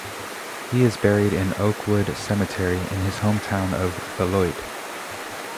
He is buried in Oakwood Cemetery in his hometown of Beloit.